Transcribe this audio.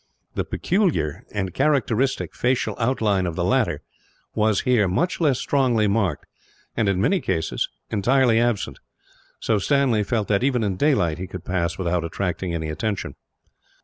The peculiar and characteristic facial outline of the latter was, here, much less strongly marked and, in many cases, entirely absent; so Stanley felt that, even in daylight, he would pass without attracting any attention.